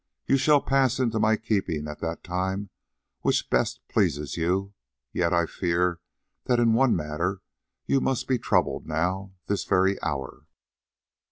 "You shall pass into my keeping at that time which best pleases you, yet I fear that in one matter you must be troubled now, this very hour."